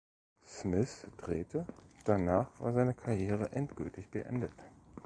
Smith" drehte, danach war seine Karriere endgültig beendet.